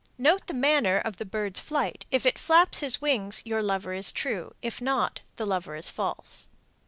Note the manner of the bird's flight: if he flaps his wings your lover is true; if not, the lover is false.